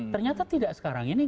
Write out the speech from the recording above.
ternyata tidak sekarang ini